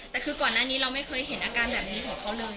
แต่คือก่อนหน้านี้เราไม่เคยเห็นอาการแบบนี้ของเขาเลย